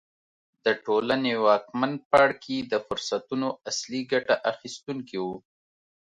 د ټولنې واکمن پاړکي د فرصتونو اصلي ګټه اخیستونکي وو.